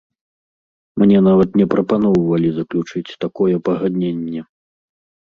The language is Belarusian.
Мне нават не прапаноўвалі заключыць такое пагадненне.